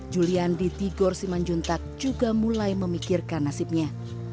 julian di tigor simanjuntak juga mulai memikirkan nasibnya